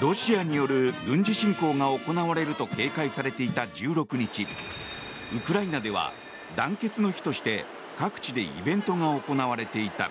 ロシアによる軍事侵攻が行われると警戒されていた１６日ウクライナでは、団結の日として各地でイベントが行われていた。